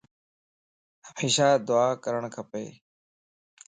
ھميشا دعا ڪرڻ کپ